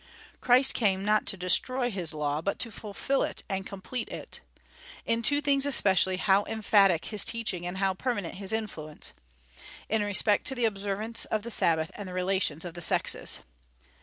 Christ came not to destroy his law, but to fulfil it and complete it. In two things especially, how emphatic his teaching and how permanent his influence! in respect to the observance of the Sabbath and the relations of the sexes.